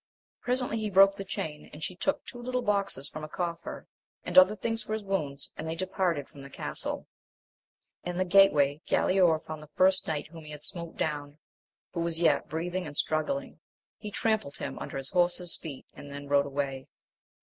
Presently he broke the chain, and she took two little boxes from a cofier, and other things for his wounds, and they departed from the castle. In the gate way Galaor found the first knight m he had smote down, who was yet breathing and AMADIS OF GAUL. 101 struggling; he trampled him under his horse's feet and then rode away.